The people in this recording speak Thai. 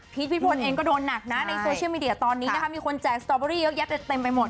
พี่พลเองก็โดนหนักนะในโซเชียลมีเดียตอนนี้นะคะมีคนแจกสตอเบอรี่เยอะแยะเต็มไปหมด